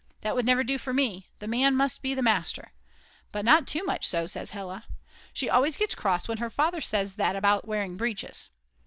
That would never do for me; the man must be the master. "But not too much so" says Hella. She always gets cross when her father says that about wearing breeches.